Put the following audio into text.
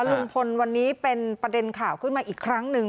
ลุงพลวันนี้เป็นประเด็นข่าวขึ้นมาอีกครั้งหนึ่ง